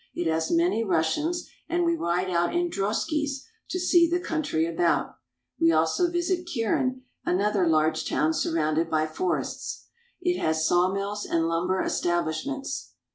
It has many Russians, and we ride out in droskies to see the country about. We also visit Kirin, another large town surrounded by forests. It has sawmills and lumber establishments.